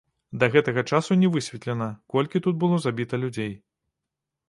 Да гэтага часу не высветлена, колькі тут было забіта людзей.